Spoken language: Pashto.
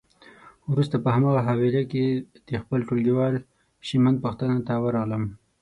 وروسته په هماغه حویلی کې د خپل ټولګیوال شېمن پوښتنه ته ورغلم.